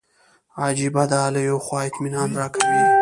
عجیبه ده له یوې خوا اطمینان راکوي.